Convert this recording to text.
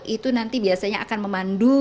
itu nanti biasanya akan memandu